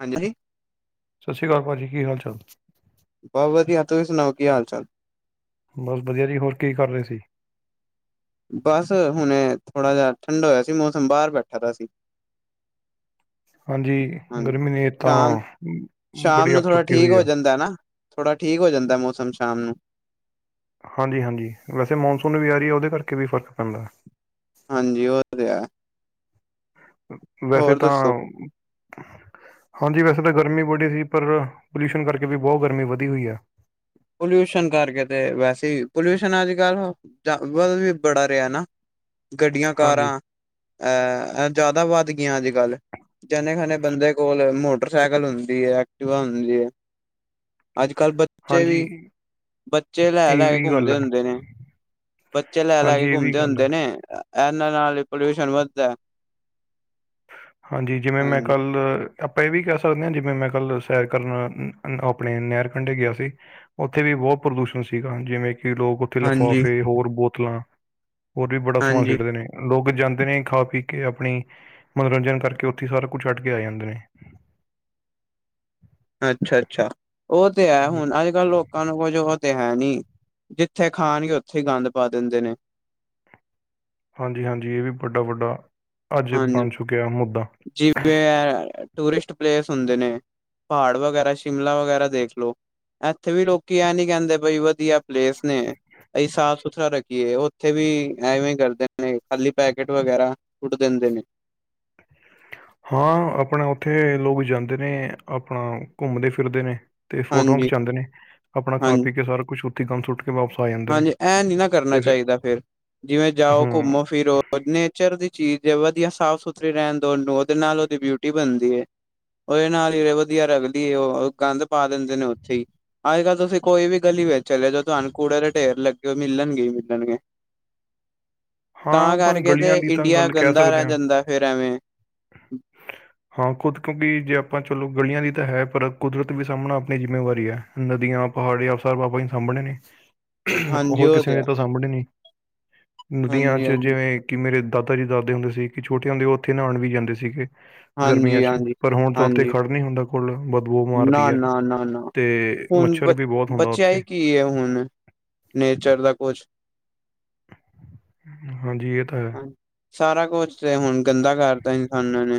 ਹਾਂਜੀ ਜੀ ਸਤਿ ਸ਼੍ਰੀ ਅਕਾਲ ਪਾਜੀ, ਕੀ ਹਾਲ-ਚਾਲ? ਬਹੁਤ ਵਧੀਆ ਤੁਸੀਂ ਸੁਣਾਓ ਕੀ ਹਾਲ-ਚਾਲ? ਬਸ ਵਧੀਆ ਜੀ, ਹੋਰ ਕੀ ਕਰ ਰਹੇ ਸੀ? ਬਸ ਹੁਣੇ ਥੋੜਾ ਜਿਹਾ ਠੰਢਾ ਹੋਇਆ ਸੀ ਮੌਸਮ ਬਾਹਰ ਬੈਠਾ ਦਾ ਸੀ। ਹਾਂਜੀ ਹਾਂਜੀ। ਗਰਮੀ ਨੇ ਤਾਂ ਸ਼ਾਮ ਬੜੀ ਅੱਗ ਚੁੱਕੀ ਹੋਈ ਆ। ਥੋੜ੍ਹਾ ਠੀਕ ਹੋ ਜਾਂਦਾ ਮੌਸਮ ਸ਼ਾਮ ਨੂੰ। ਹਾਂਜੀ ਹਾਂਜੀ, ਵੈਸੇ ਮੌਨਸੂਨ ਵੀ ਆ ਰਹੀ ਐ, ਉਹਦੇ ਕਰਕੇ ਵੀ ਫ਼ਰਕ ਪੈਂਦਾ। ਹਾਂਜੀ ਉਹ ਤੇ ਹੈ। ਵੈਸੇ ਹੋਰ ਤਾਂ ਦੱਸੋ ਹਾਂਜੀ ਵੈਸੇ ਤਾਂ ਗਰਮੀ ਬੜੀ ਸੀ ਪਰ ਪੋਲਿਊਸ਼ਨ ਕਰਕੇ ਵੀ ਬਹੁਤ ਗਰਮੀ ਵਧੀ ਹੋਈ ਐ। ਪੋਲਿਊਸ਼ਨ ਕਰਕੇ ਤੇ ਵੈਸੇ ਈ ਪੋਲਿਊਸ਼ਨ ਅੱਜ-ਕੱਲ੍ਹ [unintelligible] ਵੀ ਬੜਾ ਰਿਹਾ ਨਾ ਗੱਡੀਆਂ ਹਾਂਜੀ ਕਾਰਾਂ ਅ ਏ ਜ਼ਿਆਦਾ ਵੱਧ ਗਈਆਂ ਅੱਜ-ਕੱਲ੍ਹ ਜਣੇ ਖਣੇ ਬੰਦੇ ਕੋਲ ਮੋਟਰਸਾਈਕਲ ਹੁੰਦੀ ਏ, ਐਕਟਵਾ ਹੁੰਦੀ ਐ। ਅੱਜ-ਕੱਲ੍ਹ ਬੱਚੇ ਹਾਂਜੀ ਵੀ, ਬੱਚੇ ਲੈ ਇਹ ਲੈ ਕੇ ਵੀ ਗੱਲ ਘੁੰਮਦੇ ਹੈ ਹੁੰਦੇ ਨੇ। ਬੱਚੇ ਲੈ ਲੈ ਕੇ ਹਾਂਜੀ ਇਹ ਵੀ ਘੁੰਮਦੇ ਗੱਲ ਹੈ ਹੁੰਦੇ ਨੇ ਇਹਨਾਂ ਨਾਲ ਹ ਪੋਲਿਊਸ਼ਨ ਵੱਧਦਾ ਐ। ਹਾਂਜੀ ਜਿਵੇਂ ਮੈਂ ਕੱਲ ਆਪਾਂ ਇਹ ਵੀ ਕਹਿ ਸਕਣੇ ਆਂ ਜਿਵੇਂ ਮੈਂ ਕੱਲ ਸੈਰ ਕਰਨ ਆਪਣੇ ਨਹਿਰ ਕੰਢੇ ਗਿਆ ਸੀ ਉੱਥੇ ਵੀ ਬਹੁਤ ਪ੍ਰਦੂਸ਼ਣ ਸੀਗਾ ਜਿਵੇਂ ਕਿ ਲੋਕ ਉੱਥੇ ਹਾਂਜੀ ਲਿਫਾਫੇ ਹੋਰ ਬੋਤਲਾਂ, ਹੋਰ ਵੀ ਬੜਾ ਸਮਾਨ ਹਾਂਜੀ ਸੇਟਦੇ ਨੇ। ਲੋਕ ਜਾਂਦੇ ਨੇ ਖਾ ਪੀ ਕੇ ਆਪਣੀ ਮਨੋਰੰਜਨ ਕਰਕੇ ਉੱਥੇ ਸਾਰਾ ਕੁਛ ਛੱਡ ਕੇ ਆ ਜਾਂਦੇ ਨੇ। ਅੱਛਾ-ਅੱਛਾ ਉਹ ਤੇ ਹੈ ਹਮ, ਹੁਣ ਅੱਜ ਕੱਲ ਲੋਕਾਂ ਨੂੰ ਕੁਝ ਉਹ ਤੇ ਹੈ ਨੀ ਜਿੱਥੇ ਖਾਣਗੇ ਉੱਥੇ ਹੀ ਗੰਦ ਪਾ ਦਿੰਦੇ ਨੇ। ਹਾਂਜੀ-ਹਾਂਜੀ ਇਹ ਵੀ ਵੱਡਾ-ਵੱਡਾ ਅੱਜ ਬਣ ਚੁੱਕਿਆ ਮੁੱਦਾ। ਐ ਟੂਰਿਸਟ ਪਲੇਸ ਹੁੰਦੇ ਨੇ ਪਹਾੜ ਵਗੈਰਾ ਸ਼ਿਮਲਾ ਵਗੈਰਾ ਦੇਖ ਲੋ। ਇੱਥੇ ਵੀ ਲੋਕੀ ਐ ਨੀ ਕਹਿੰਦੇ ਬਈ ਵਧੀਆ ਪਲੇਸ ਨੇ। ਅਸੀਂ ਸਾਫ ਸੁਥਰਾ ਰੱਖੀਏ ਉੱਥੇ ਵੀ ਐਵੇਂ ਕਰਦੇ ਨੇ ਖਾਲੀ ਪੈਕੇਟ ਵਗੈਰਾ ਸੂਟ ਦਿੰਦੇ ਨੇ। ਹਾਂ ਆਪਣਾ ਉੱਥੇ ਲੋਕ ਜਾਂਦੇ ਨੇ ਆਪਣਾ ਘੁੰਮਦੇ ਫਿਰਦੇ ਨੇ ਤੇ ਫੋਟੋਆਂ ਹਾਂਜੀ ਖਿਚਾਉਦੇ ਆਪਣਾ ਖਾ ਹਾਂਜੀ। ਪੀ ਕੇ ਸਾਰਾ ਕੁਛ ਉੱਥੇ ਗਂਦ ਸੁੱਟ ਕੇ ਵਾਪਸ ਆ ਜਾਂ ਹਾਂਜੀ ਐ ਨੀ ਨਾ ਕਰਨਾ ਚਾਹੀਦਾ ਫੇਰ ਜਿਵੇਂ ਜਾਓ ਹੂੰ ਘੁੰਮੋ ਫਿਰੋ ਉਹ ਨੇਚਰ ਦੀ ਚੀਜ਼ ਹੈ ਵਧੀਆ ਸਾਫ਼ ਸੁਥਰੀ ਰਹਿਣ ਦਓ ਉਹਦੇ ਨਾਲ ਉਹਦੀ ਬਿਊਟੀ ਬਣਦੀ ਏ। ਉਹਦੇ ਨਾਲ ਹੀ ਤੇ ਵਧੀਆ ਰਗਦੀ ਉਹ ਗਂਦ ਪਾ ਦਿੰਦੇ ਨੇ ਉੱਥੇ ਹੀ ਅੱਜ ਕੱਲ ਤੁਸੀਂ ਕੋਈ ਵੀ ਗਲੀ ਵੇਚ ਚੱਲੇ ਜਾਓ ਤੁਹਾਨੂੰ ਕੂੜੋ ਦੇ ਢੇਰ ਲੱਗੇ ਹੋਏ ਮਿਲਣਗੇ ਹੀ ਮਿਲਣਗੇ। ਹਾਂ ਤਾਂ ਆਪਾਂ ਕਰਕੇ ਗਲੀਆਂ ਤੇ ਦੀ ਤਾਂ ਇੰਡੀਆ ਗੱਲ ਕਹਿ ਗੰਦਾ ਸਕਦੇ ਰਹਿ ਹਾਂ ਜਾਂਦਾ ਫੇਰ ਐਵੇ। ਹਾਂ ਖੁਦ ਕਿਉਂਕਿ ਜੇ ਆਪਾਂ ਚਲੋ ਗਲੀਆਂ ਦੀ ਤਾਂ ਹੈ ਪਰ ਕੁਦਰਤ ਵੀ ਸਾਹਮਣਾ ਆਪਣੀ ਜਿੰਮੇਵਾਰੀ ਹੈ। ਨਦੀਆਂ, ਪਹਾੜੀਆਂ ਸਾਬ ਆਪਾਂ ਹੀ ਸਾਂਭਣੇ ਨੇ ਹਾਂਜੀ ਹੋਰ ਉਹ ਕਿਸੇ ਤੇ ਹੈ ਨੇ ਤਾਂ ਸਾਂਭਣੇ ਨੀ। ਨਦੀਆਂ ਹਾਂਜੀ ਚ ਹਾਂਜੀ ਜਿਵੇਂ ਕਿ ਮੇਰੇ ਦਾਦਾ ਜੀ ਦੱਸਦੇ ਹੁੰਦੇ ਸੀ ਕਿ ਛੋਟਯਾ ਹੁੰਦੇ ਉੱਥੇ ਨਹਾਉਣ ਵੀ ਜਾਂਦੇ ਸੀਗੇ। ਗਰਮੀਆਂ ਹਾਂਜੀ ਚ ਹਾਂਜੀ ਪਰ ਹੁਣ ਤਾਂ ਉੱਥੇ ਹਾਂਜੀ ਖੜ ਨੀ ਹੁੰਦਾ ਕੋਲ ਬਹੁ ਬੋ ਨਾ ਮਾਰਦੀ ਹੈ ਨਾ ਨਾ ਨਾ ਤੇ ਹੁਣ ਮੱਛਰ ਬ ਵੀ ਬਹੁਤ ਹੁੰਦਾ ਬਚਿਆ ਉਥੇ। ਹੀ ਕੀ ਹੈ ਹੁਣ ਨੇਚਰ ਦਾ ਕੁਛ ਹਾਂਜੀ ਇਹ ਤਾਂ ਹੈ। ਸਾਰਾ ਕੁਛ ਤੇ ਹੁਣ ਗੰਦਾ ਕਰਤਾ ਇਨਸਾਨਾਂ ਨੇ।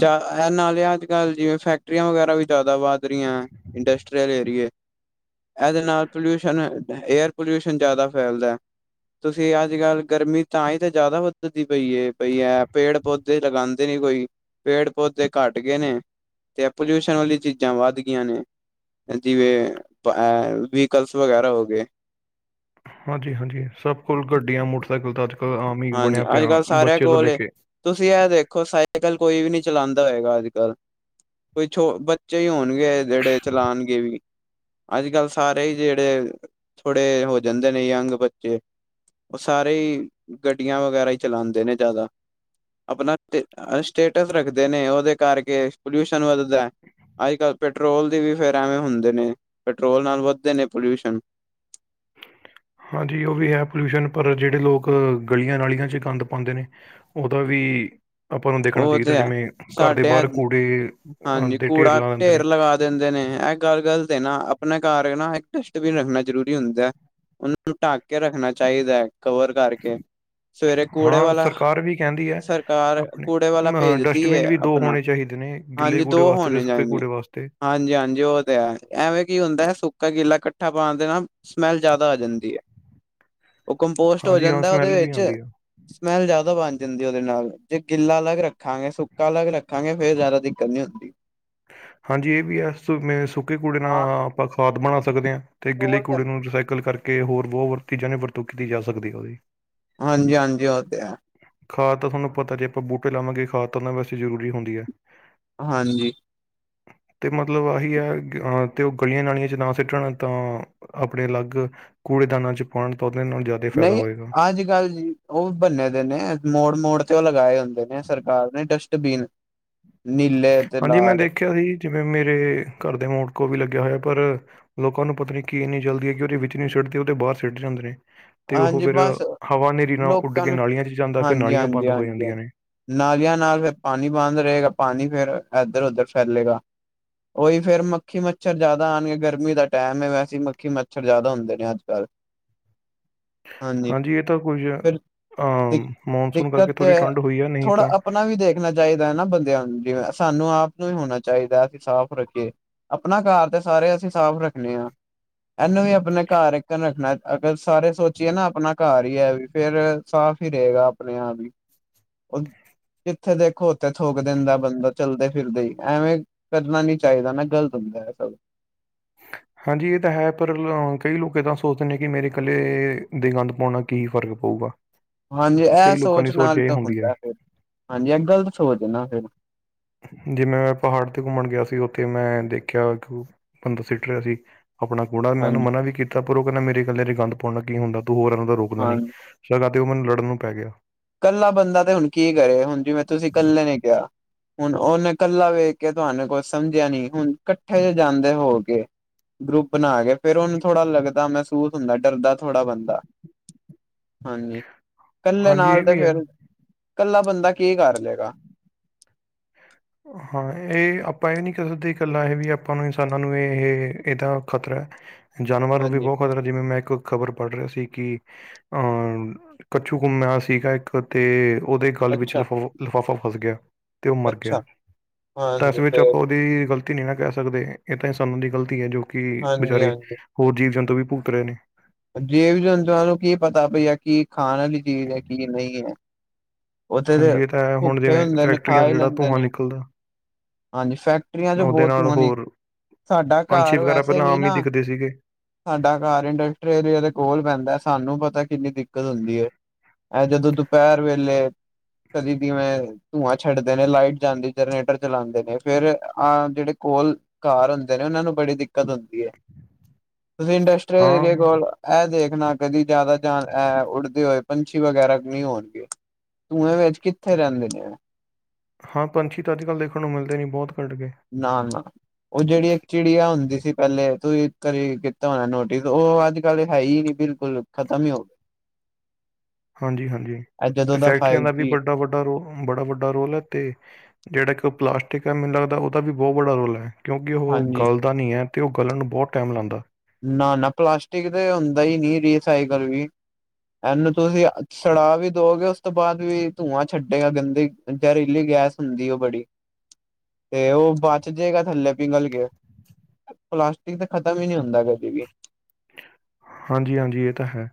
ਜਾਂ ਇਹ ਨਾਲੇ ਅੱਜ ਕੱਲ੍ਹ ਜਿਵੇਂ ਫੈਕ ਕਟਰੀਆਂ ਵਗੈਰਾ ਵੀ ਜਾਦਾ ਵੱਧ ਰਹੀਆਂ ਇੰਡਸਟਰੀਅਲ ਏਰੀਏ। ਇਹਦੇ ਨਾਲ ਪੋਲਿਊਸ਼ਨ ਏਅਰ ਪੋਲਿਊਸ਼ਨ ਜਾਦਾ ਫੈਲਦਾ। ਤੁਸੀਂ ਅੱਜ ਕੱਲ ਗਰਮੀ ਤਾਂ ਹੀ ਤੇ ਜਾਦਾ ਵੱਧਦੀ ਪਈ ਹੈ ਪੇੜ ਪੌਧ ਤੇ ਲਗਾਉਂਦੇ ਨੀ ਕੋਈ ਪੇੜ ਪੌਦੇ ਘੱਟ ਗੇ ਨੇ। ਤੇ ਇਹ ਵਾਲੀ ਚੀਜ਼ਾਂ ਵੱਧ ਗਈਆ ਨੇ। ਜਿਵੇਂ ਏ ਵੀਕਲਸ ਵਗੈਰਾ ਹੋ ਗਏ। ਹਾਂਜੀ-ਹਾਂਜੀ ਸਭ ਕੋਲ ਗੱਡੀਆਂ, ਮੋਟਰਸਾਈਕਲ ਤਾਂ ਅੱਜ ਕਲ ਆਮ ਹੀ ਹਾਂਜੀ ਬਣਿਆ ਅੱਜ ਪਿਆ ਕੱਲ੍ਹ ਸਾਰਿਆਂ ਬੱਚੇ ਤੋਂ ਲੈ ਕੋਲ ਕੇ ਤੁਸੀਂ ਇਹ ਦੇਖੋ ਸਾਈਕਲ ਕੋਈ ਵੀ ਨਹੀਂ ਚਲਾਉਂਦਾ ਹੋਏਗਾ ਅੱਜ ਕੱਲ। ਕੋਈ ਛੋ ਬੱਚੇ ਹੀ ਹੋਣਗੇ ਜਿਹੜੇ ਚਲਾਉਣਗੇ ਵੀ। ਅੱਜ ਕੱਲ੍ਹ ਸਾਰੇ ਹੀ ਜਿਹੜੇ ਥੋੜੇ ਹੋ ਜਾਂਦੇ ਨੇ ਯੰਗ ਬੱਚੇ ਉਹ ਸਾਰੇ ਗੱਡੀਆਂ ਵਗੈਰਾ ਹੀ ਚਲਾਉਂਦੇ ਨੇ ਜਾਦਾ। ਆਪਣਾ ਅ ਸਟੇਟਸ ਰੱਖਦੇ ਨੇ ਉਹਦੇ ਕਰਕੇ ਪੋਲਿਊਸ਼ਨ ਵੱਧਦਾ। ਅੱਜ ਕੱਲ੍ਹ ਪੈਟਰੋਲ ਦੀ ਵੀ ਫਿਰ ਐਵੇਂ ਹੁੰਦੇ ਨੇ ਪੈਟਰੋਲ ਨਾਲ ਵੱਧਦੇ ਨੇ ਪੋਲਿਊਸ਼ਨ। ਹਾਂਜੀ ਉਹ ਵੀ ਹੈ ਪੋਲਿਊਸ਼ਨ ਪਰ ਜਿਹੜੇ ਲੋਕ ਗਲੀਆਂ ਨਾਲੀਆਂ ਚ ਗੰਦ ਪਾਉਂਦੇ ਨੇ ਉਹਦਾ ਵੀ ਆਪਾਂ ਨੂੰ ਦੇਖਣਾ ਉਹ ਚਾਹੀਦਾ ਤੇ ਹੈ ਜਿਵੇਂ ਘਰ ਦੇ ਸਾਡੇ ਬਾਰ ਕੂੜੇ ਅਹ ਦੇ ਢੇਰ ਲਾ ਦਿੰਦੇ ਨੇ। ਦੇਂਦੇ ਨੇ ਏ ਗੱਲ ਗੱਲਤ ਏ ਨਾ ਆਪਣੇ ਘਰ ਨਾ ਇੱਕ ਡਸਟਬਿਨ ਰੱਖਣਾ ਜ਼ਰੂਰੀ ਹੁੰਦਾ ਉਨ ਨੂੰ ਢਕ ਕੇ ਰੱਖਣਾ ਚਾਹੀਦਾ ਹੈ ਕਵਰ ਕਰ ਸਵੇਰੇ ਕੂੜੇ ਹਾਂ ਵਾਲਾ, ਸਰਕਾਰ ਵੀ ਕਹਿੰਦੀ ਹੈ ਸਰਕਾਰ ਆਪਣੇ ਕੂੜੇ ਵਾਲਾ ਅ ਭੇਜਦੀ ਡਸਟਬਿਨ ਹੈ ਵੀ ਦੋ ਆਪਣਾ, ਹੋਣੇ ਚਾਹੀਦੇ ਨੇ ਗਿੱਲੇ ਹਾਂਜੀ ਕੂੜੇ ਦੋ ਵਾਸਤੇ ਤੇ ਹੋਣੇ ਸੁੱਕੇ ਚਾਹੀਦੇ ਕੂੜੇ ਵਾਸਤੇ ਹਾਂਜੀ-ਹਾਂਜੀ ਉਹ ਤੇ ਹੈ, ਐਵੇਂ ਕੀ ਹੁੰਦਾ ਹੈ ਸੁੱਕਾ ਗੀਲਾ ਇਕੱਠਾ ਪਾਉਣ ਦੇਣਾ ਸਮੈਲ ਜਿਆਦਾ ਆ ਜਾਂਦੀ ਹੈ [inaudible] ਉਹ ਕੰਪੋਸਟ ਹੋ ਹਾਂਜੀ ਹਾਂ ਜਾਂਦਾ ਉਹਦੇ ਸਮੈਲ ਵੀ ਵਿੱਚ, ਆਉਂਦੀ ਆ ਸਮੈਲ ਜ਼ਿਆਦਾ ਬਣ ਜਾਂਦੀ ਉਹਦੇ ਨਾਲ ਗਿੱਲਾ ਅਲੱਗ ਰੱਖਾਂਗੇ, ਸੁੱਕਾ ਅਲੱਗ ਰੱਖਾਂਗੇ ਫੇਰ ਜ਼ਿਆਦਾ ਦਿੱਕਤ ਨੀ ਹੁੰਦੀ ਹਾਂਜੀ ਇਹ ਵੀ ਹੈ, ਸੁੱਕੇ ਕੂੜੇ ਹਾਂ ਨਾਲ ਆਪਾਂ ਖਾਦ ਬਣਾ ਸਕਦੇ ਹਾਂ, ਤੇ ਗਿੱਲੇ ਕੂੜੇ ਨੂੰ ਰਿਸਾਈਕਲ ਕਰਕੇ ਹੋਰ ਬਹੁਤ ਚੀਜ਼ਾਂ ਦੀ ਵਰਤੋਂ ਕੀਤੀ ਜਾ ਸਕਦੀ ਹੈ ਉਹਦੀ ਹਾਂਜੀ ਹਾਂਜੀ ਉਹ ਤੇ ਹੈ ਖਾਦ ਤਾਂ ਤੁਹਾਨੂੰ ਪਤਾ ਜੇ ਆਪਾਂ ਬੂਟੇ ਲਾਵਾਂਗੇ ਖਾਦ ਤਾਂ ਨਾ ਵਾਸਤੇ ਜ਼ਰੂਰੀ ਹੁੰਦੀ ਹੈ ਹਾਂਜੀ ਤੇ ਮਤਲਬ ਆਹੀ ਹੈ ਅਹ ਤੇ ਉਹ ਗਲੀਆਂ ਨਾਲੀਆਂ ' ਨਾ ਸਿੱਟਣ ਤਾਂ ਆਪਣੇ ਅਲੱਗ ਕੂੜੇਦਾਨਾਂ ਚ ਪਾਉਣ ਤਾਂ ਉਹਦੇ ਇਹ ਨੂੰ ਜ਼ਿਆਦਾ ਫਾਇਦਾ ਨਹੀਂ ਹੋਏਗਾ ਅੱਜ ਕੱਲ ਜੀ, ਉਹ ਬੰਨੇ ਦੇ ਨੇ ਮੋੜ ਮੋੜ ਤੇ ਉਹ ਲਗਾਏ ਹੁੰਦੇ। ਦੇ ਨੇ ਸਰਕਾਰ ਨੇ ਡਸਟਬੀਨ। ਹਾਂਜੀ ਮੈਂ ਦੇਖਿਆ ਸੀ ਜਿਵੇਂ ਮੇਰੇ, ਘਰ ਦੇ ਮੋੜ ਕੋ ਵੀ ਲੱਗਿਆ ਹੋਇਆ। ਪਰ ਲੋਕਾਂ ਨੂੰ ਪਤਾ ਨੀ ਕੀ ਇੰਨੀ ਜਲਦੀ ਹੈ, ਕਿ ਉਹਦੇ ਵਿੱਚ ਨਹੀਂ ਸਿੱਟਦੇ ਉਹਦੇ ਬਾਹਰ ਸਿੱਟ ਜਾਂਦੇ ਨੇ। ਤੇ ਉਹ ਹਾਂਜੀ ਫਿਰ ਬਸ ਹਵਾ ਹਨੇਰੀ ਨਾਲ ਉੱਡ ਲੋਕਾਂ ਕੇ ਨੂੰ ਨਾਲੀਆਂ, ' ਜਾਂਦਾ ਫਿਰ ਹਾਂਜੀ ਨਾਲੀਆਂ ਹਾਂਜੀ ਬੰਦ ਹੋ ਹਾਂਜੀ ਜਾਂਦੀਆਂ ਹਾਂਜੀ ਨੇ। ਨਾਲੀਆਂ ਨਾਲ ਫਿਰ ਪਾਣੀ ਬੰਦ ਰਹੇਗਾ, ਪਾਣੀ ਫਿਰ ਇਧਰ ਉਧਰ ਫੈਲੇਗਾ। ਉਹੀ ਫਿਰ ਮੱਖੀ ਮੱਛਰ ਜ਼ਿਆਦਾ ਆਉਣਗੇ, ਗਰਮੀ ਦਾ ਟਾਈਮ ਹੈ ਵੈਸੇ ਮੱਖੀ ਮੱਛਰ ਜ਼ਿਆਦਾ ਹੁੰਦੇ ਨੇ, ਅੱਜ ਕੱਲ੍ਹ ਹਾਂਜੀ ਇਹ ਤਾਂ ਕੁੱਝ ਫਿਰ ਦਿਕ ਅਹ ਮੌਨਸੂਨ ਕਰਕੇ ਦਿੱਕਤ ਥੋੜ੍ਹੀ ਠੰਡ ਹੋਈ ਆ ਨਹੀਂ ਤਾਂ। ਰੱਖਣਾ ਚਾਹੀਦਾ ਹੈ ਨਾ ਬੰਦਿਆਂ ਨੂੰ, ਜਿਵੇਂ ਸਾਨੂੰ ਆਪ ਨੂੰ ਹੀ ਹੋਣਾ ਚਾਹੀਦਾ ਅਸੀਂ ਸਾਫ਼ ਰੱਖੀਏ। ਆਪਣਾ ਘਰ ਤੇ ਸਾਰੇ ਅਸੀਂ ਸਾਫ਼ ਰੱਖਣੇ ਆ, ਇਹਨੂੰ ਵੀ ਆਪਣੇ ਘਰ ਇੱਕ ਰੱਖਣਾ। ਫਿਰ ਸਾਰੇ ਸੋਚੀਏ ਨਾ ਆਪਣਾ ਘਰ ਵੀ ਫਿਰ ਸਾਫ਼ ਹੀ ਰਹੇਗਾ ਆਪਣੇ ਆਪ ਹੀ। ਕਿੱਥੇ ਦੇਖੋ ਉੱਥੇ ਥੋਕ ਦਿੰਦਾ ਬੰਦਾ। ਚੱਲਦੇ ਫਿਰਦੇ ਐਵੇਂ, ਕਰਨਾ ਨੀ ਚਾਹੀਦਾ ਨਾ ਗ਼ਲਤ ਹੁੰਦਾ ਹੈ ਸਭ ਹਾਂਜੀ ਇਹ ਤਾਂ ਹੈ, ਪਰ ਕਈ ਲੋਕ ਇੱਦਾਂ ਸੋਚਦੇ ਨੇ ਕਿ ਮੇਰੇ ਇਕੱਲੇ ਦੇ ਗੰਦ ਪਾਉਣਾ। ਕੀ ਫ਼ਰਕ ਪਊਗਾ ਹਾਂਜੀ ਇਹ ਕਈ ਲੋਕਾਂ ਸੋਚ ਦੀ ਨਾਲ ਇਹ ਤਾਂ ਹੁੰਦੀ ਹੈ ਹੁੰਦਾ ਫਿਰ, ਹਾਂਜੀ ਇਹ ਗ਼ਲਤ ਸੋਚ ਨਾ ਫਿਰ। ਜਿਵੇਂ ਮੈਂ ਪਹਾੜ ਤੇ ਘੁੰਮਣ ਗਿਆ ਸੀ ਉੱਥੇ ਮੈਂ ਦੇਖਿਆ ਕਿ ਬੰ ਰਿਹਾ ਸੀ ਆਪਣਾ ਕੂੜਾ ਮੈਂ ਉਹਨੂੰ ਹਾਂਜੀ ਮਨਾ ਵੀ ਕੀਤਾ। ਪਰ ਉਹ ਕਹਿੰਦਾ ਮੇਰੇ ਕੱਲੇ ਚ ਗੰਦ ਪਾਉਣਾ ਕੀ ਹੁੰਦਾ ਤੂੰ ਹੋਰ ਇਹਨਾਂ ਦਾ ਰੋਕ। ਹਾਂ ਨਹੀਂ ਸਗਾ ਤੇ ਉਹ ਮੈਨੂੰ ਲੜਨ ਨੂੰ ਪੈ ਗਿਆ। ਇਕੱਲਾ ਬੰਦਾ ਤੇ ਹੁਣ ਕੀ ਕਰੇ। ਹੁਣ ਜੀ ਮੈਂ ਤੁਸੀਂ ਇਕੱਲੇ ਨੇ ਕਿਹਾ ਹੁਣ ਉਹਨੇ ਇਕੱਲਾ ਵੇਖ ਕੇ ਤੁਹਾਨੂੰ ਕੁਛ ਸਮਝਿਆ ਨੀ, ਹੁਣ ਇਕੱਠੇ ਚ ਜਾਂਦੇ ਹੋ ਕੇ ਗਰੁੱਪ ਬਣਾ ਕੇ ਫਿਰ ਉਹਨੂੰ ਥੋੜਾ ਲੱਗਦਾ ਮਹਿਸੂਸ ਹੁੰਦਾ ਡਰਦਾ ਥੋੜਾ ਬੰਦਾ। ਹਾਂਜੀ ਇਕੱਲੇ ਹਾਂਜੀ ਨਾਲ ਇਹ ਵੀ ਹੈ ਇਕੱਲਾ ਬੰਦਾ ਕੀ ਕਰ ਲਏਗਾ। ਹ ਹਾਂ ਇਹ ਆਪਾਂ ਇਹ ਨੀ ਕਹਿ ਸਕਦੇ ਇਕੱਲਾ ਇਹ ਵੀ ਆਪਾਂ ਨੂੰ ਇਨਸਾਨਾਂ ਨੂੰ ਇਹਦਾ ਖ਼ਤਰਾ ਹੈ। ਜਾਨਵਰ ਨੂੰ ਵੀ ਹਾਂਜੀ ਬਹੁਤ ਖਤਰਾ ਹੈ ਜਿਵੇਂ ਮੈਂ ਇੱਕ ਖ਼ਬਰ ਪੜ੍ਹ ਰਿਹਾ ਸੀ, ਕਿ ਅਹ ਕੱਛੂ ਕੁੱਮਿਆ ਸੀਗਾ ਇੱਕ ਤੇ ਉਹਦੇ ਗੱਲ ਵਿੱਚ ਅੱਛਾ ਲਿਫਾ ਲਿਫਾਫਾ ਫਸ ਗਿਆ ਤੇ ਉਹ ਮਰ ਗਿਆ ਅੱਛਾ ਤਾਂ ਇਸ ਹਾਂਜੀ ਵਿੱਚ ਫੇਰ ਆਪਾਂ ਉਹਦੀ ਗਲਤੀ ਨਹੀਂ ਨਾ ਕਹਿ ਸਕਦੇ ਇਹ ਤਾਂ ਸਾਨੂੰ ਦੀ ਗ਼ਲਤੀ ਐ ਜੋ ਕਿ ਹਾਂਜੀ ਵਿਚਾਰੇ ਹਾਂਜੀ ਹੋਰ ਜੀਵ ਜੰਤੂ ਵੀ ਭੁਗਤ ਰਹੇ ਨੇ। ਜਿਵ ਜੰਤੂਆਂ ਨੂੰ ਕੀ ਪਤਾ ਪਈ ਆ ਕੀ ਖਾਣ ਆਲੀ ਚੀਜ਼ ਐ ਕੀ ਨੀ ਐ। ਓਥੇ ਤੇ ਹਾਂਜੀ ਇਹ ਤਾਂ ਹੈ ਹੁਣ ਭੁੱਖੇ ਜਿਵੇਂ ਹੁੰਦੇ ਨੇ ਖਾ ਫੈਕਟਰੀਆਂ ਦਾ ਹੀ ਜਿਹੜਾ ਲੈਂਦੇ ਧੂੰਆਂ ਨੇ। ਨਿਕਲਦਾ ਹਾਂਜੀ ਫੈਕਟਰੀਆਂ ਚ ਉਹਦੇ ਬਹੁਤ ਨਾਲ ਧੂੰਆਂ ਨੀ ਹੋਰ ਸਾਡਾ ਪੰਛੀ ਘਰ ਵਗੈਰਾ ਵੈਸੇ ਪਹਿਲਾਂ ਵੀ ਆਮ ਹੀ ਨਾ ਦਿਖਦੇ ਸੀਗੇ ਸਾਡਾ ਘਰ ਇੰਡਸਟਰੀ ਏਰੀਆ ਦੇ ਕੋਲ ਪੈਂਦਾ ਸਾਨੂੰ ਪਤਾ ਕਿੰਨੀ ਦਿੱਕਤ ਹੁੰਦੀ ਐ। ਐ ਜਦੋਂ ਦੁਪਹਿਰ ਵੇਲੇ ਕਦੀ ਦੀ ਮੈਂ ਧੂੰਆਂ ਛੱਡਦੇ ਨੇ ਲਾਈਟ ਜਾਂਦੀ ਜਨਰੇਟਰ ਚਲਾਂਦੇ ਨੇ ਫੇਰ ਆਹ ਜਿਹੜੇ ਕੋਲ ਘਰ ਹੁੰਦੇ ਨੇ ਉਹਨਾਂ ਨੂੰ ਬੜੀ ਦਿੱਕਤ ਹੁੰਦੀ ਹੈ ਤੁਸੀਂ ਇੰਡਸਟਰੀਅਲ ਹਾਂ ਏਰੀਏ ਕੋਲ ਐ ਦੇਖਣਾ ਕਦੀ ਜ਼ਿਆਦਾ ਜਾ ਉੱਡਦੇ ਹੋਏ ਪੰਛੀ ਵਗੈਰਾ ਨਹੀਂ ਹੋਣਗੇ। ਧੂੰਏ ਵਿੱਚ ਕਿੱਥੇ ਰਹਿੰਦੇ ਨੇ ਓ। ਹਾਂ ਪੰਛੀ ਤਾਂ ਅੱਜ ਕੱਲ੍ਹ ਦੇਖਣ ਨੂੰ ਮਿਲਦੇ ਨਹੀਂ ਬਹੁਤ ਘੱਟ ਗਏ। ਨਾ, ਨਾ ਉਹ ਜਿਹੜੀ ਇੱਕ ਚਿੜੀਆ ਹੁੰਦੀ ਸੀ। ਪਹਿਲੇ ਤੁਸੀਂ ਘਰੇ ਕੀਤਾ ਹੋਣਾ ਨੋਟਿਸ ਉਹ ਅੱਜ ਕੱਲ ਹੈਈ ਨੀ ਬਿਲਕੁਲ ਬਿਲਕੁਲ ਖਤਮ ਹੀ ਹੋਗੀ ਹਾਂਜੀ, ਹਾਂਜੀ ਗਿਆ ਜਦੋਂ ਫੈਕਟਰਿਆਂ ਫਾਈਵ ਦਾ ਵੀ ਜੀ ਵੱਡਾ, ਵੱਡਾ ਰੋਲ ਬੜਾ ਵੱਡਾ ਰੋਲ ਐ ਤੇ ਜਿਹੜਾ ਇੱਕ ਉਹ ਪਲਾਸਟਿਕ ਐ ਮੈਨੂੰ ਲੱਗਦਾ ਉਹਦਾ ਵੀ ਬਹੁਤ ਬੱੜਾ ਰੋਲ ਐ। ਕਿਉਂਕਿ ਉਹ ਹਾਂਜੀ ਗੱਲ ਦਾ ਨਹੀਂ ਐ ਤੇ ਉਹ ਗਲਣ ਨੂੰ ਬਹੁਤ ਟਾਈਮ ਲਾਂਦਾ। ਨਾ ਨਾ ਪਲਾਸਟਿਕ ਤੇ ਹੁੰਦਾ ਹੀ ਨੀ ਰੀਸਾਈਕਲ ਵੀ ਇਹਨੂੰ ਤੁਸੀਂ ਛੁੜਾਅ ਵੀ ਦੋਗੇ ਉਸ ਤੋਂ ਬਾਅਦ ਵੀ ਧੂੰਆਂ ਛੱਡੇਗਾ ਗੰਦੀ ਜਹਿਰੀਲੀ ਗੈਸ ਹੁੰਦੀ ਉਹ ਬੜੀ [unintelligible] ਤੇ ਉਹ ਬਚ ਜੇਗਾ ਥੱਲੇ ਪਿੰਘਲ ਕੇ ਪਲਾਸਟਿਕ ਤੇ ਖਤਮ ਹੀ ਨੀ ਹੁੰਦਾ। ਕਦੀ ਵੀ। ਹਾਂਜੀ, ਹਾਂਜੀ ਇਹ ਤਾਂ ਹੈ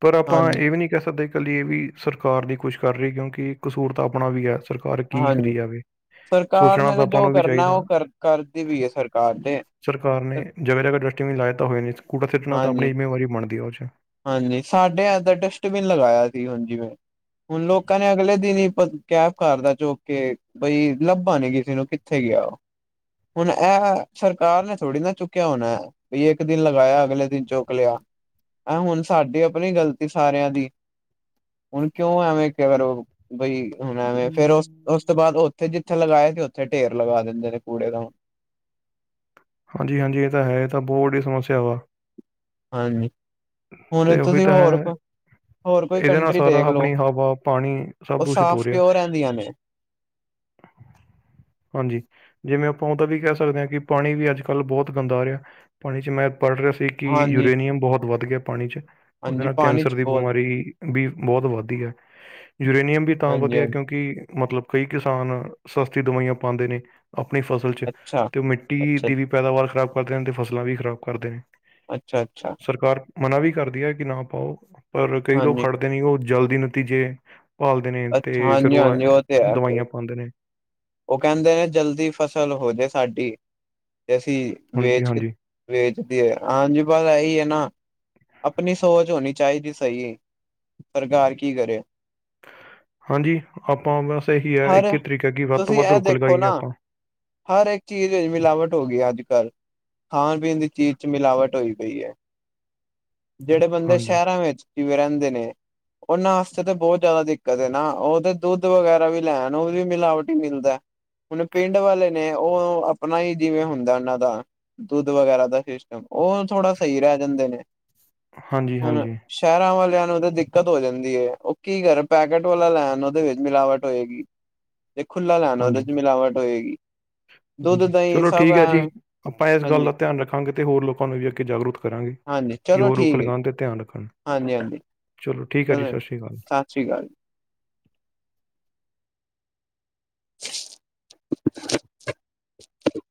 ਪਰ ਆਪਾਂ ਹਾਂਜੀ ਇਹ ਵੀ ਨੀ ਕਹਿ ਸਕਦੇ। ਕੱਲੀ ਏ ਵੀ ਸਰਕਾਰ ਨੀ ਕੁਛ ਕਰ ਰਹੀ ਕਿਉਂਕਿ ਕਸੂਰ ਤਾ ਆਪਣਾ ਵੀ ਐ ਸਰਕਾਰ ਕੀ ਹਾਂਜੀ ਕਰੀ ਜਾਵੇ। ਸਰਕਾਰ ਸੋਚਣਾ ਨੇ ਤਾਂ ਆਪਾਂ ਜੋ ਨੂੰ ਵੀ ਕਰਨਾ ਚਾਹੀਦਾ। ਉਹ ਕਰ ਕਰਦੀ ਵੀ ਐ ਸਰਕਾਰ ਤੇ ਸਰਕਾਰ ਨੇ ਜਗ੍ਹਾ, ਜਗ੍ਹਾ ਡਸਟਬਿਨ ਲਾਏ ਤਾਂ ਹੋਏ ਨੇ ਕੂੜਾ ਸੁੱਟਨਾ ਤਾਂ ਆਪਣੀ ਹਾਂਜੀ ਜਿੰਮੇਵਾਰੀ ਬਣਦੀ ਐ ਓ ਚ ਹਾਂਜੀ ਸਾਡੇ ਇਦਰ ਡਸਟਬਿਨ ਲਗਾਇਆ ਸੀ ਹੁਣ ਜਿਵੇਂ ਹੁਣ ਲੋਕਾਂ ਨੇ ਅਗਲੇ ਦਿਨ ਹੀ ਗੈੱਬ ਕਰਤਾ ਚੁੱਕ ਕੇ ਬਈ ਲੱਭਾ ਨੀ ਕਿਸੀ ਨੂੰ ਕਿੱਥੇ ਗਿਆ ਓ ਹੁਣ ਇਹ ਸਰਕਾਰ ਨੇ ਥੋੜ੍ਹੀ ਨਾ ਚੁੱਕਿਆ ਹੋਣਾ। ਵੀ ਇੱਕ ਦਿਨ ਲਗਾਇਆ ਅਗਲੇ ਦਿਨ ਚੁੱਕ ਲਿਆ। ਆਹ ਹੁਣ ਸਾਡੀ ਆਪਣੀ ਗ਼ਲਤੀ ਸਾਰਿਆਂ ਦੀ ਹੁਣ ਕਿਉਂ ਐਵੇਂ ਕਹਿ ਰਹੇ ਓ। ਬਈ ਹੁਣ ਐਵੇਂ ਫੇਰ ਉਸ ਉਸ ਤੋਂ ਬਾਅਦ ਉੱਥੇ ਜਿੱਥੇ ਲਗਾਏ ਸੀ ਉੱਥੇ ਢੇਰ ਲਗਾ ਦਿੰਦੇ ਨੇ ਕੂੜੇ ਦਾ ਹੁਣ। ਹਾਂਜੀ, ਹਾਂਜੀ ਇਹ ਤਾਂ ਹੈ ਇਹ ਤਾਂ ਬਹੁਤ ਵੱਡੀ ਸਮੱਸਿਆ ਵਾ। ਹਾਂਜੀ ਹੁਣ ਤੇ ਉਹੀ ਤੁਸੀਂ ਤਾਂ ਹੋਰ ਹੈ। ਕੋ ਇਹਦੇ ਨਾਲ ਸਾਰਾ ਆਪਣੀ ਹਵਾ, ਪਾਣੀ ਸਭ ਤੁਸੀਂ ਉਹ ਦੂਸ਼ਿਤ ਹੋ ਸਾਫ਼ ਰਿਹਾ। ਕਿਉਂ ਰਹਿੰਦੀਆਂ ਨੇ [unintelligible] ਹਾਂਜੀ ਜਿਵੇਂ ਆਪਾਂ ਉਹ ਤਾਂ ਵੀ ਕਹਿ ਸਕਦੇ ਆ ਕਿ ਪਾਣੀ ਵੀ ਅੱਜ ਕੱਲ੍ਹ ਬਹੁਤ ਗੰਦਾ ਆ ਰਿਹਾ। ਪਾਣੀ ਚ ' ਮੈਂ ਪੜ੍ਹ ਰਿਹਾ ਸੀ। ਕਿ ਹਾਂਜੀ ਯੂਰੇਨੀਅਮ ਬਹੁਤ ਵੱਧ ਗਿਆ ਪਾਣੀ 'ਚ ਉਹਦੇ ਹਾਂਜੀ ਨਾਲ ਪਾਣੀ ਕੈਂਸਰ ਚ ਦੀ ਬਹੁਤ ਬਿਮਾਰੀ ਵੀ ਬਹੁਤ ਵੱਧਦੀ ਐ ਯੂਰੇਨੀਅਮ ਵੀ ਤਾਂ ਹਾਂਜੀ ਵਧੀਆ ਹਾਂਜੀ ਕਿਉਂਕਿ ਮਤਲਬ ਕਈ ਕਿਸਾਨ ਸਸਤੀ ਦਵਾਈਆਂ ਪਾਂਦੇ ਨੇ ਆਪਣੀ ਫਸਲ ਚ ਅੱਛਾ ਤੇ ਉਹ ਮਿੱਟੀ ਅੱਛਾ ਦੀ ਵੀ ਪੈਦਾਵਾਰ ਖ਼ਰਾਬ ਕਰਦੇ ਨੇ ਤੇ ਫਸਲਾਂ ਵੀ ਖ਼ਰਾਬ ਕਰਦੇ ਨੇ। ਅੱਛਾ-ਅੱਛਾ। ਸਰਕਾਰ ਮਨਾ ਵੀ ਕਰਦੀ ਹੈ। ਕਿ ਨਾ ਪਾਓ ਪਰ ਕਈ ਲੋਕ ਹਾਂਜੀ ਖੜਦੇ ਨਹੀਂ ਉਹ ਜਲਦੀ ਨਤੀਜੇ ਭਾਲਦੇ ਨੇ, ਅੱਛਾ ਤੇ ਫੇਰ ਹਾਂਜੀ ਉਹ ਹਾਂਜੀ ਤੇ ਹੈ ਫਿਰ ਦਵਾਈਆਂ ਪਾਉਂਦੇ ਨੇ। ਉਹ ਕਹਿੰਦੇ ਨੇ ਜਲਦੀ ਫਸਲ ਹੋ। ਜਾਏ ਸਾਡੀ ਤੇ ਅਸੀਂ ਹਾਂਜੀ ਵੇਚ ਕੇ ਹਾਂਜੀ ਵੇਚਦੀਏ ਹੈ। ਹਾਂਜੀ ਬਸ ਇਹੀ ਹੈ ਨਾ ਆਪਣੀ ਸੋਚ ਹੋਣੀ ਚਾਹੀਦੀ ਸਹੀ, ਸਰਕਾਰ ਕੀ ਕਰੇ। ਹਾਂਜੀ ਆਪਾਂ ਨੂੰ ਬਸ ਇਹੀ ਹੈ‌। ਇੱਕ ਹਰ ਹੀ ਤਰੀਕ ਹੈ। ਕਿ ਵੱਧ ਤੋਂ ਤੁਸੀਂ ਵੱਧ ਇਹ ਰੁਖ ਦੇਖੋ ਲਗਾਈਏ ਨਾ ਆਪਾਂ। ਹਰ ਇੱਕ ਚੀਜ਼ ਮਿਲਾਵਟ ਹੋ ਗਈ, ਅੱਜ ਕੱਲ੍ਹ। ਖਾਣ ਪੀਣ ਦੀ ਚੀਜ਼ ਚ ਮਿਲਾਵਟ ਹੋਈ ਪਈ ਹੈ। ਜਿਹੜੇ ਬੰਦੇ ਹਾਂਜੀ ਸ਼ਹਿਰਾਂ ਵਿੱਚ ਕਿਵੇਂ ਰਹਿੰਦੇ ਨੇ ਉਹਨਾਂ ਵਾਸਤੇ ਤੇ ਬਹੁਤ ਜ਼ਿਆਦਾ ਦਿੱਕਤ ਨਾ ਉਹ ਤੇ ਦੁੱਧ ਵਗੈਰਾ ਵੀ ਲੈਣ ਉਹ ਵੀ ਮਿਲਾਵਟੀ ਮਿਲਦਾ। ਹੁਣ, ਪਿੰਡ ਵਾਲੇ ਨੇ ਉਹ ਆਪਣਾ ਹੀ ਜਿਵੇਂ ਹੁੰਦਾ ਉਹਨਾਂ ਦਾ ਦੁੱਧ ਵਗੈਰਾ ਦਾ ਸਿਸਟਮ ਉਹ ਥੋੜ੍ਹਾ ਸਹੀ ਰਹਿ ਜਾਂਦੇ ਨੇ, ਹਾਂਜੀ ਹੁਣ ਹਾਂਜੀ ਸ਼ਹਿਰਾਂ ਵਾਲਿਆਂ ਨੂੰ ਦਿੱਕਤ ਹੋ ਜਾਂਦੀ ਹੈ। ਉਹ ਕੀ ਕਰ ਪੈਕਟ ਵਾਲਾ ਲੈਣ ਉਹਦੇ ਵਿੱਚ ਮਿਲਾਵਟ ਹੋਏਗੀ। ਤੇ ਖੁਲਾ ਲੈਣਾ ਉਹਦੇ ਹਾਂਜੀ ਚ ਮਿਲਾਵਟ ਹੋਏਗੀ। ਦੁੱਧ ਹਾਂਜੀ ਦਹੀਂ ਚਲੋ ਸਭ ਠੀਕ ਐ ਹੈ ਜੀ ਆਪਾਂ ਇਸ ਗੱਲ ਹਾਂਜੀ ਦਾ ਧਿਆਨ ਰੱਖਾਂਗੇ ਤੇ, ਹੋਰ ਲੋਕਾਂ ਨੂੰ ਵੀ ਅ ਕੇ ਜਾਗਰੂਕ ਕਰਾਂਗੇ। ਹਾਂਜੀ ਕਿ ਚਲੋ ਉਹ ਰੁੱਖ ਠੀਕ ਹੈ ਜੀ ਲਗਾਉਣ ਤੇ ਧਿਆਨ ਰੱਖਣ ਹਾਂਜੀ ਹਾਂਜੀ ਚਲੋ ਠੀਕ ਹੈ। ਜੀ ਸਤਿ ਸ੍ਰੀ ਅਕਾਲ। ਸਤਿ ਸ਼੍ਰੀ ਅਕਾਲ। [unintelligible]